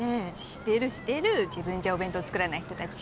してるしてる自分じゃお弁当作らない人たち